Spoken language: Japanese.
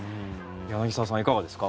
柳澤さん、いかがですか